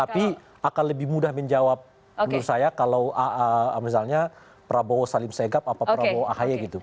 tapi akan lebih mudah menjawab menurut saya kalau misalnya prabowo salim segap apa prabowo ahy gitu